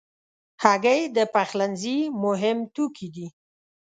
هګۍ د پخلنځي مهم توکي دي.